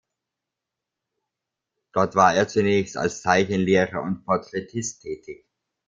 Dort war er zunächst als Zeichenlehrer und Porträtist tätig.